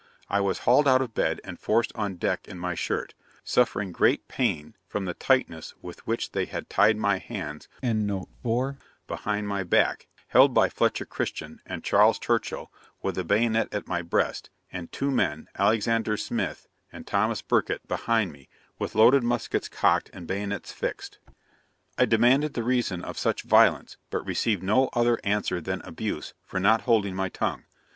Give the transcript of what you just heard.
I was hauled out of bed, and forced on deck in my shirt, suffering great pain from the tightness with which they had tied my hands [behind my back, held by Fletcher Christian, and Charles Churchill, with a bayonet at my breast, and two men, Alexander Smith and Thomas Burkitt behind me, with loaded muskets cocked and bayonets fixed]. I demanded the reason of such violence, but received no other answer than abuse, for not holding my tongue.